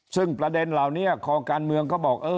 ซึ่งประเด็นเหล่านี้คอการเมืองเขาบอก